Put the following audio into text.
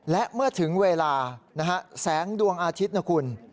และเมื่อถึงเวลานะฮะแสงดวงอาทิตย์นะคุณ